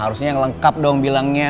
harusnya yang lengkap dong bilangnya